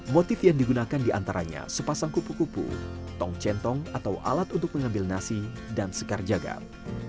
motif yang digunakan diantaranya sepasang kupu kupu tong centong atau alat untuk mengambil nasi dan sekar jagad